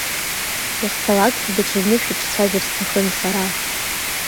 Иахьцалак даҽазны шәиҿцәажәар сҭахын сара.